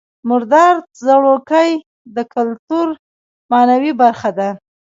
مردار ځړوکی د کولتور معنوي برخه ده